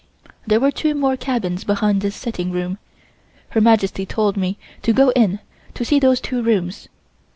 There were two more cabins behind this sitting room. Her Majesty told me to go in to see those two rooms.